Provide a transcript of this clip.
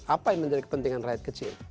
apa yang menjadi kepentingan rakyat kecil